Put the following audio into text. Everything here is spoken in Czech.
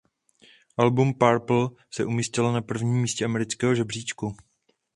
Album "Purple" se umístilo na prvním místě amerického žebříčku.